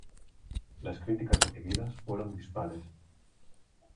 Las críticas recibidas fueron dispares.